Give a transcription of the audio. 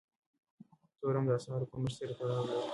تورم د اسعارو کمښت سره تړاو لري.